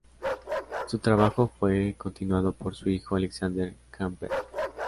Su trabajo fue continuado por su hijo Alexander Campbell.